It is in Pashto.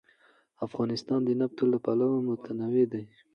افغانستان د نفت له پلوه متنوع دی.